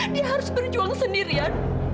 dia harus berjuang sendirian